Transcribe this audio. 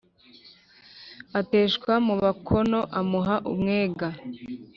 Ateshwa mu Bakono amuha Umwega